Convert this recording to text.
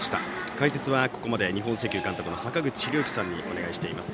解説はここまで元日本石油監督の坂口裕之さんにお願いしています。